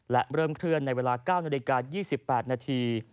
และเริ่มเคลื่อนในเวลา๙นาฬิกา๒๘นาที